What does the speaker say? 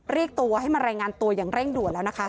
เรียกตัวให้มารายงานตัวอย่างเร่งด่วนแล้วนะคะ